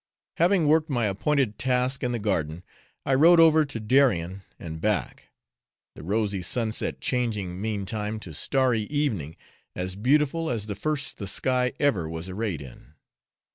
Having worked my appointed task in the garden, I rowed over to Darien and back, the rosy sunset changing meantime to starry evening, as beautiful as the first the sky ever was arrayed in.